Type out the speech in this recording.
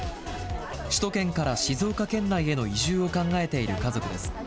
首都圏から静岡県内への移住を考えている家族です。